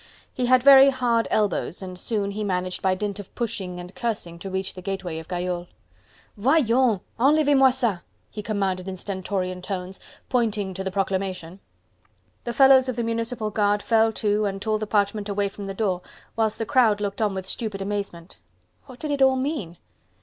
He had very hard elbows, and soon he managed, by dint of pushing and cursing to reach the gateway of Gayole. "Voyons! enlevez moi ca," he commanded in stentorian tones, pointing to the proclamation. The fellows of the municipal guard fell to and tore the parchment away from the door whilst the crowd looked on with stupid amazement. What did it all mean?